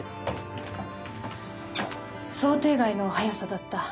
想定外の速さだった。